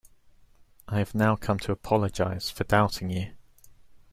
I have now come to apologize for doubting you.